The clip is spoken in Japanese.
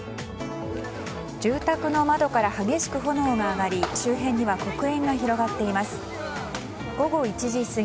住宅の窓から激しく炎が上がり周辺には黒煙が広がっています。